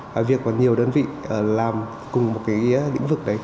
và việc nhiều đơn vị làm cùng một cái lĩnh vực đấy